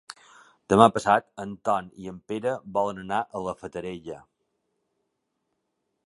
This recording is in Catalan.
Demà passat en Ton i en Pere volen anar a la Fatarella.